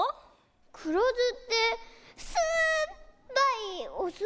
くろずってすっぱいおす？